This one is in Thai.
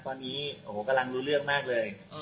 ตอนนี้โอ้โหกำลังรู้เรื่องมากเลย